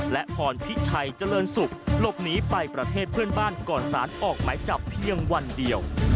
และพรพิชัยเจริญศุกร์หลบหนีไปประเทศเพื่อนบ้านก่อนสารออกหมายจับเพียงวันเดียว